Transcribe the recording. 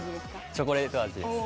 チョコレート味です